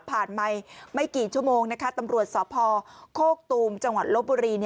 ผ่านไปไม่กี่ชั่วโมงนะคะตำรวจสภโฆษฎูมจังหวัดลบบุรี